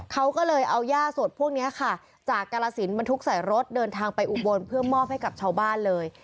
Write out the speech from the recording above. เขาก็เลยเอาย่าสดพวกนี้ค่ะจากกาลสินบรรทุกใส่รถเดินทางไปอุบลเพื่อมอบให้กับชาวบ้านเลย